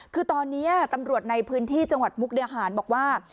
คือตอนนี้ตำรวจในพื้นที่จังหวัดมุกดาหารบอกว่า